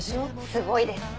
すごいです。